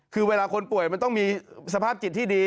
คือเวลาคนป่วยมันต้องมีสภาพจิตที่ดี